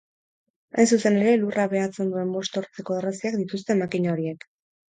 Hain zuzen ere, lurra bahetzen duen bost hortzeko orraziak dituzte makina horiek.